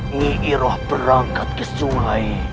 nyiroh berangkat ke sungai